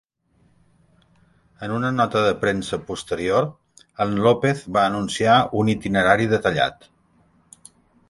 En una nota de premsa posterior, en López va anunciar un itinerari detallat.